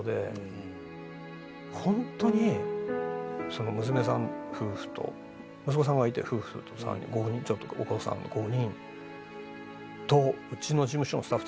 ホントに娘さん夫婦と息子さんがいて夫婦と３人お子さん５人とうちの事務所のスタッフ